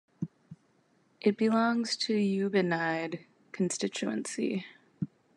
It belongs to Ubenide Constituency.